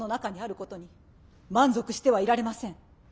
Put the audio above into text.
満足してはいられません。